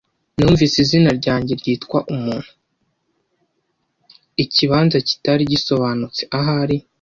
ikibanza kitari gisobanutse, ahari,